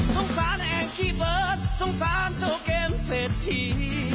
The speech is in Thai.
สงสารเองพี่เบิร์ตสงสารโชว์เกมเศรษฐี